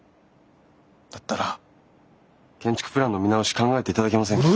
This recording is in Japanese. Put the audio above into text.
だったら建築プランの見直し考えていただけませんか？